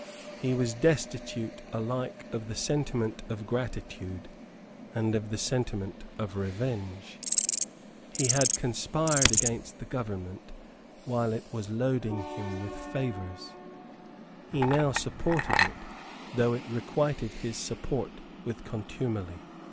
He was destitute alike of the sentiment of gratitude and of the sentiment of revenge. He had conspired against the government while it was loading him with favours. He now supported it, though it requited his support with contumely.